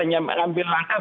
hanya mengambil langkah